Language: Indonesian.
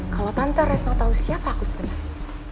kalau tanda red mau tau siapa aku sebenarnya